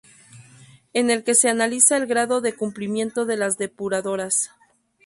En el que se analiza el grado de cumplimiento de las depuradoras